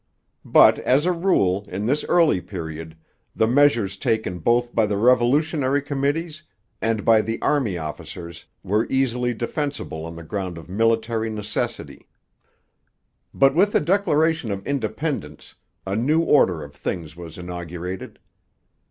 But, as a rule, in this early period, the measures taken both by the revolutionary committees and by the army officers were easily defensible on the ground of military necessity. But with the Declaration of Independence a new order of things was inaugurated.